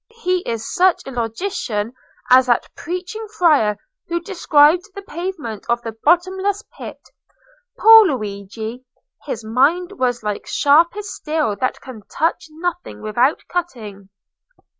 He is such a logician as that preaching friar who described the pavement of the bottomless pit. Poor Luigi! his mind was like sharpest steel that can touch nothing without cutting."